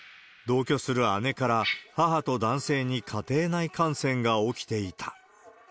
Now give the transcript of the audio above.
同居する姉から、母と男性に家庭内感染が起きていた。